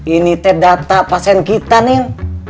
ini teh data pasien kita nih